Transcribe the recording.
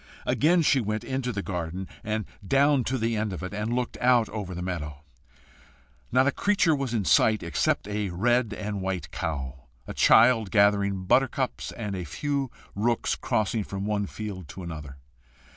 Again she went into the garden, and down to the end of it, and looked out over the meadow. Not a creature was in sight, except a red and white cow, a child gathering buttercups, and a few rooks crossing from one field to another.